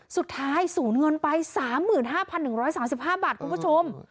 สุดท้ายสูญเงินไป๓๕๑๓๕บาทคุณผู้ชม